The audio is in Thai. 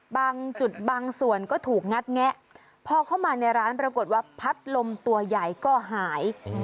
บางจุดบางส่วนก็ถูกงัดแงะพอเข้ามาในร้านปรากฏว่าพัดลมตัวใหญ่ก็หาย